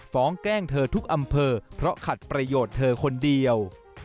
แกล้งเธอทุกอำเภอเพราะขัดประโยชน์เธอคนเดียว